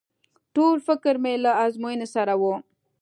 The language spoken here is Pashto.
ټول فکر مې له ازموينې سره و.